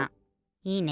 いいね。